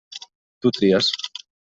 Tu tries.